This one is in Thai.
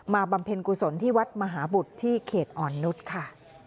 บำเพ็ญกุศลที่วัดมหาบุตรที่เขตอ่อนนุษย์ค่ะ